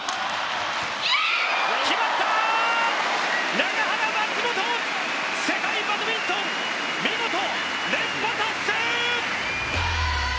永原、松本世界バドミントン見事、連覇達成！